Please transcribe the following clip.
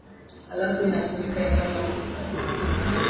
halafu inafuata eneo la matuta ya mchanga